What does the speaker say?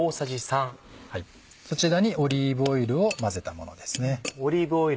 そちらにオリーブオイルを混ぜたものです。